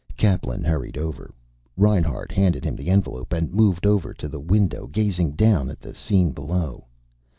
Kaplan hurried over. Reinhart handed him the envelope, and moved over to the window, gazing down at the scene below.